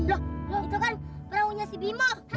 loh itu kan perangunya si bimo